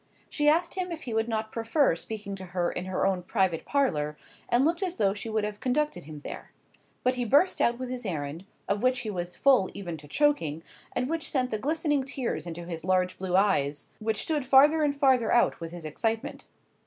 She asked him if he would not prefer speaking to her in her own private parlour, and looked as though she would have conducted him there. But he burst out with his errand, of which he was full even to choking, and which sent the glistening tears into his large blue eyes, which stood farther and farther out with his excitement.